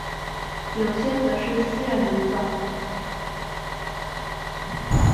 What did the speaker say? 有些则是私人旅馆。